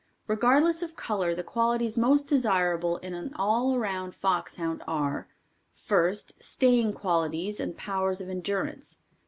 Regardless of color, the qualities most desirable in an all around fox hound are: 1st, staying qualities and powers of endurance.